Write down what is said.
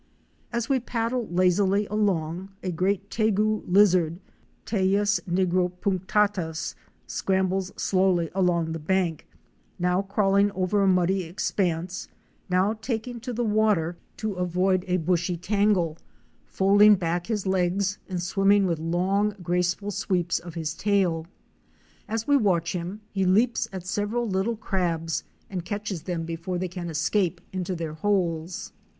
As we paddle lazily along, a great Tegu Lizard (Teius nigropunctatas) scrambles slowly along the bank; now crawl ing overt a muddy expanse, now taking to the water to avoid a 26 OUR SEARCH FOR A WILDERNESS. bushy tangle, folding back his legs and swimming with long graceful sweeps of his tail. As we watch him he leaps at several little crabs and catches them before they can escape into their holes.